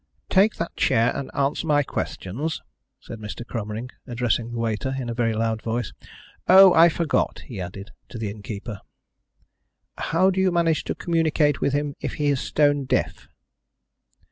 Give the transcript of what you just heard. "Take that chair and answer my questions," said Mr. Cromering, addressing the waiter in a very loud voice. "Oh, I forgot," he added, to the innkeeper. "How do you manage to communicate with him if he is stone deaf?"